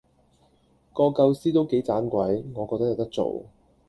個構思都幾盞鬼，我覺得有得做